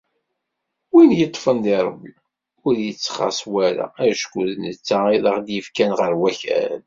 Win yeṭṭfen di Rebbi, ur t-ittxass wara, acku d netta i aɣ-d-yefkan ɣer wakal.